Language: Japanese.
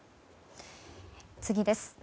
次です。